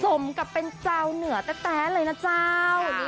สมกับเป็นเจ้าเหนือแต๊ะเลยนะเจ้า